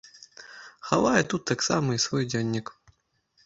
Хавае тут таксама і свой дзённік.